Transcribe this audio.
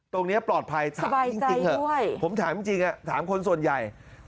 ตรงนี้ปลอดภัยถามจริงเถอะผมถามจริงถามคนส่วนใหญ่